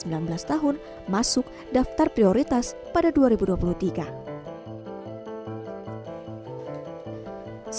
pembelajaran pemerintah di rumah tangga yang telah diperlindungi selama enam belas tahun masuk daftar prioritas pada dua ribu dua puluh tiga